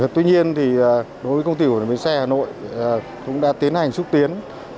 tuy nhiên thì đối với công ty của bến xe hà nội cũng đã tiến hành xúc tiến